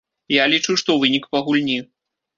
Я лічу, што вынік па гульні.